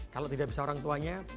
kalau tidak bisa orang tuanya